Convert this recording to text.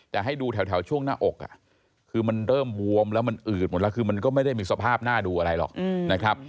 แต่ให้ดูแถวช่วงหน้าอกคือมันเริ่มบวมแล้วมันอืดหมดแล้วคือมันก็ไม่ได้มีสภาพหน้าดูอะไรหรอกนะครับ